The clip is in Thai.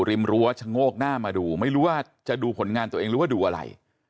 รั้วชะโงกหน้ามาดูไม่รู้ว่าจะดูผลงานตัวเองหรือว่าดูอะไร